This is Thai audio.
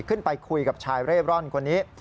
ขึ้นไปคุยกับชายเร่ร่อนคนนี้